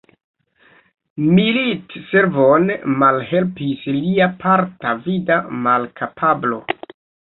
Militservon malhelpis lia parta vida malkapablo.